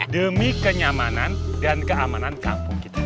demi kenyamanan dan keamanan kampung kita